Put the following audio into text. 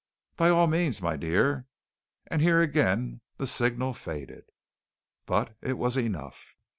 By all means, my dear...." and here again the signal faded. But it was enough.